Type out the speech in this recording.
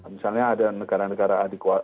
misalnya ada negara negara adik